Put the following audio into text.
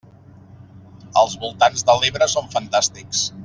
Els voltants de l'Ebre són fantàstics!